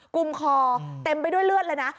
กลุ่มคอเต็มไปด้วยเลือดเลยนะ